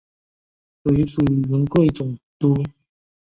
随署云贵总督。